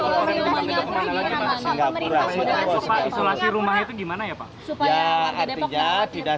tapi waktu itu tidak